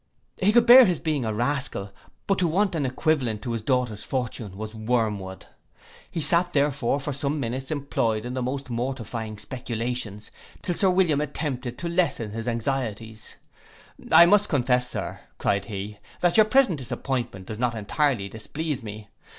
He could bear his being a rascal; but to want an equivalent to his daughter's fortune was wormwood. He sate therefore for some minutes employed in the most mortifying speculations, till Sir William attempted to lessen his anxiety.—'I must confess, Sir' cried he, 'that your present disappointment does not entirely displease me.